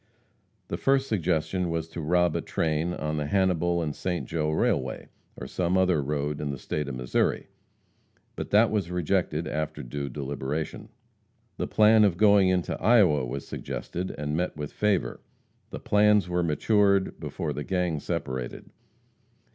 The first suggestion was to rob a train on the Hannibal & St. Joe. railway, or some other road in the state of Missouri. But that was rejected after due deliberation. The plan of going into Iowa was suggested and met with favor. The plans were matured before the gang separated.